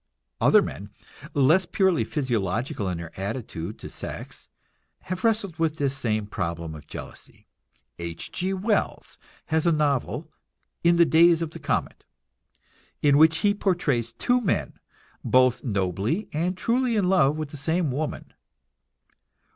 Other men, less purely physiological in their attitude to sex, have wrestled with this same problem of jealousy. H. G. Wells has a novel, "In the Days of the Comet," in which he portrays two men, both nobly and truly in love with the same woman.